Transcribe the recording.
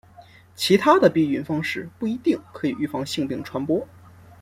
其他的避孕方式不一定可以预防性病传播。